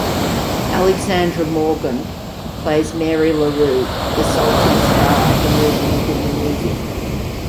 Alexandra Morgan plays Mary LaRue, the sultry star of the movie within the movie.